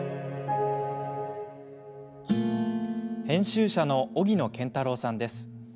編集者の荻野謙太郎さんです。